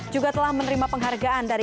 juga telah menerima penghargaan dari